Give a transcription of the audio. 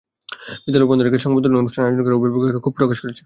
বিদ্যালয় বন্ধ রেখে সংবর্ধনা অনুষ্ঠান আয়োজন করায় অভিভাবকেরা ক্ষোভ প্রকাশ করেছেন।